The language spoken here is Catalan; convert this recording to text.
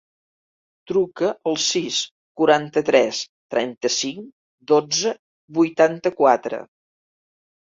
Truca al sis, quaranta-tres, trenta-cinc, dotze, vuitanta-quatre.